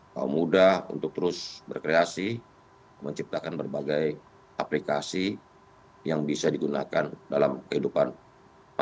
kaum muda untuk terus berkreasi menciptakan berbagai aplikasi yang bisa digunakan dalam kehidupan masyarakat